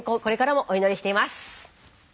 これからもお祈りしています。